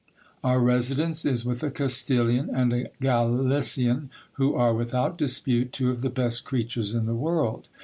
Our residence is with a Castilian and a Galician, who are, without dispute, two of the best creatures in the world.